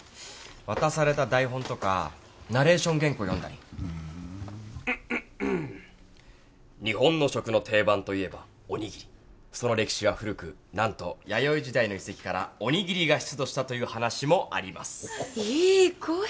渡された台本とかナレーション原稿読んだりふん日本の食の定番といえばおにぎりその歴史は古くなんと弥生時代の遺跡からおにぎりが出土したという話もありますいい声